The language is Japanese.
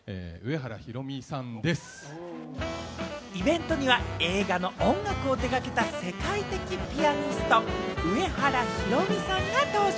イベントには映画の音楽を手がけた世界的ピアニスト・上原ひろみさんが登場。